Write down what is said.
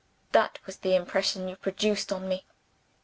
That was the impression you produced on me.